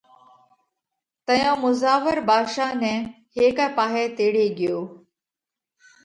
تئيون مُزاور ڀاڌشا نئہ هيڪئہ پاهئہ تيڙي ڳيو